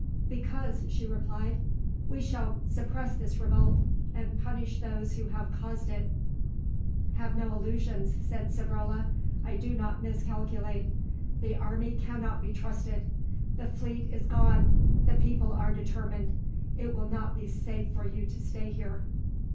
"Because," she replied, "we shall suppress this revolt, and punish those who have caused it." "Have no illusions," said Savrola. "I do not miscalculate. The army cannot be trusted; the fleet is gone; the people are determined. It will not be safe for you to stay here."